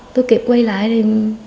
tôi kịp quay lại